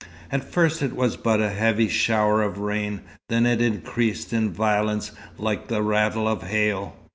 At first it was but as a heavy shower of rain; then it increased in violence like the rattle of hail.